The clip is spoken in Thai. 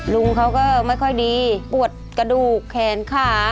ลุงเขาก็ไม่ค่อยดีปวดกระดูกแขนขา